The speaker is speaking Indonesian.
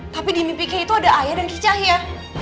tapi di mimpi kay itu ada ayah dan ki cah ya